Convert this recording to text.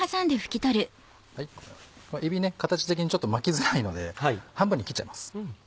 えびね形的にちょっと巻きづらいので半分に切っちゃいます。